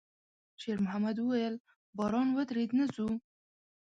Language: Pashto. شېرمحمد وويل: «باران ودرېد، نه ځو؟»